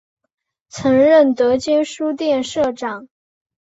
曾任德间书店社长。